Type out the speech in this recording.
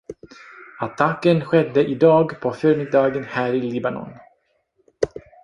Attacken skedde idag på förmiddagen här i Libanon